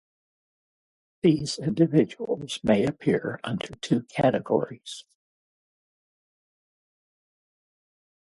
These individuals may appear under two categories.